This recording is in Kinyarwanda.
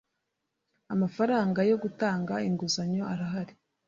Amafaranga yo gutanga inguzanyo arahari.